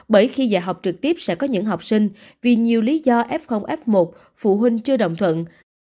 bởi khi dạy học trực tiếp sẽ có những học sinh vì nhiều lý do f f một phụ huynh chưa đồng thuận